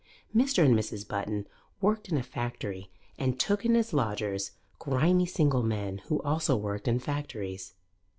Mr. and Mrs. Button worked in a factory and took in as lodgers grimy single men who also worked in factories.